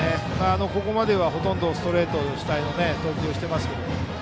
ここまではほとんどストレート主体の投球をしていますが。